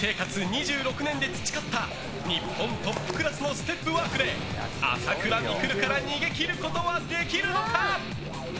２６年で培った日本トップクラスのステップワークで朝倉未来から逃げ切ることはできるのか？